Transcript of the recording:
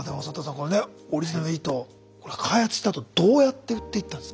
これねオリジナル糸開発したあとどうやって売っていったんですか？